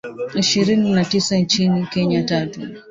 Ishirini na tisa nchini Kenya, tatu.